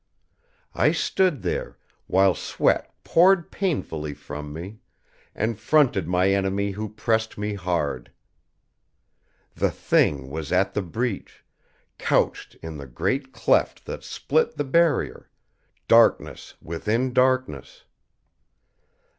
I stood there, while sweat poured painfully from me, and fronted my enemy who pressed me hard. The Thing was at the breach, couched in the great cleft that split the Barrier, darkness within darkness.